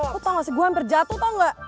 lo tau gak sih gue hampir jatuh tau gak